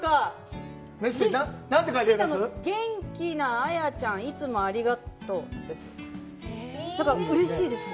元気な綾ちゃん、「いつもありがとう」です。